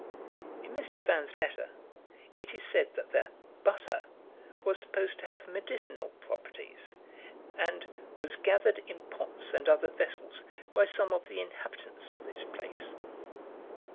In Mr. Vans' letter, it is said that the "butter" was supposed to have medicinal properties, and "was gathered in pots and other vessels by some of the inhabitants of this place."